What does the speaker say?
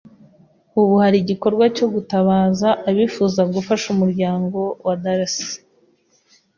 Ubu hari igikorwa cyo gutabaza abifuza gufasha umuryango wa Darcy